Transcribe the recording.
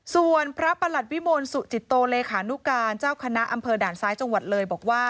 ส่วนพระประหลัดวิมลสุจิตโตเลขานุการเจ้าคณะอำเภอด่านซ้ายจังหวัดเลยบอกว่า